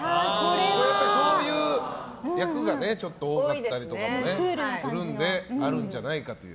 そういう役がちょっと多かったりとかするのであるんじゃないかという。